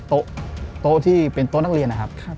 โต๊ะโต๊ะที่เป็นโต๊ะนักเรียนนะครับครับ